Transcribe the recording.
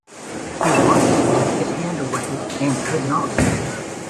He wanted to take his hand away, and could not.